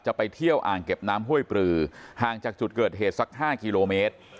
จะไปเที่ยวอ่างเก็บน้ำห้วยปลือห่างจากจุดเกิดเหตุสัก๕กิโลเมตร